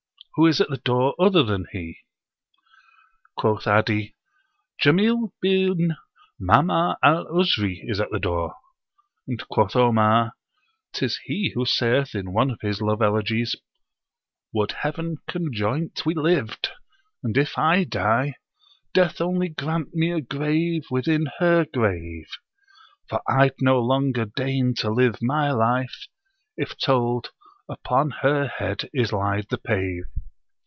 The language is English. Who is at the door other than he?" Quoth 'Adi, "Jamil bin Ma'mar al Uzri is at the door." And quoth Omar, "'Tis he who saith in one of his love Elegies: 'Would Heaven, conjoint we lived! and if I die, Death only grant me a grave within her grave! For I'd no longer deign to live my life If told, "Upon her head is laid the pave."'